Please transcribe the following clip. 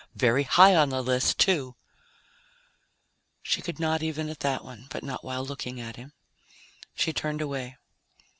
Very high on the list, too!" She could nod even at that one, but not while looking at him. She turned away.